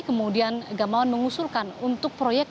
kemudian gamawan mengusulkan untuk proyek